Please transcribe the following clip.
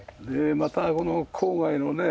またこの郊外のね